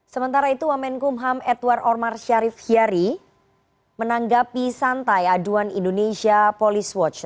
sementara itu wamenkumham edward ormar syarif hiari menanggapi santai aduan indonesia police watch